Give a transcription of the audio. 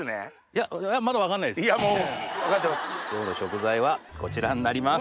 今日の食材はこちらになります。